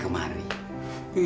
kenapa sih kiki kemari